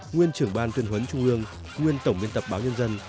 nguyên trưởng ban tuyên huấn trung ương nguyên tổng biên tập báo nhân dân